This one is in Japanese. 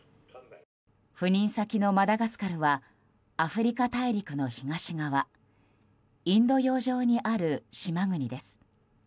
赴任先のマダガスカルはアフリカ大陸の東側インド洋上にある島国です。